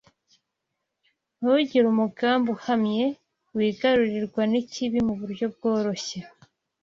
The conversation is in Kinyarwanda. ntugire umugambi uhamye, wigarurirwa n’ikibi mu buryo bworoshye